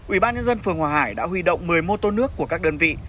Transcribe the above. ủy ban nhân dân phường hòa hải đã huy động một mươi mô tô nước của các đơn vị